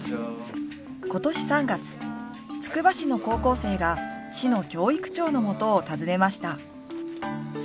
今年３月つくば市の高校生が市の教育長のもとを訪ねました。